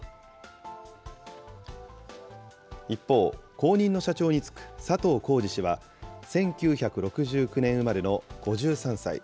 一方、後任の社長に就く佐藤恒治氏は、１９６９年生まれの５３歳。